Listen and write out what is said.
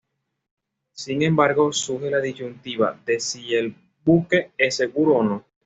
Sin embargo, surge la disyuntiva: de si el buque es seguro o no.